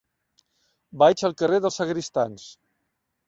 Vaig al carrer dels Sagristans.